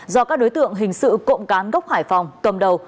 do các đối tượng hình sự cộng cán gốc hải phòng cầm đầu